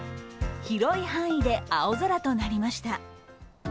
広い範囲で青空となりました。